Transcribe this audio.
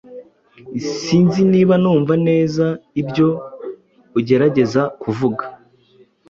Sinzi niba numva neza ibyo ugerageza kuvuga.